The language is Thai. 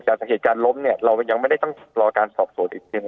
จากเหตุการณ์ล้มเนี่ยเรายังไม่ได้ต้องรอการสอบสวนอีกที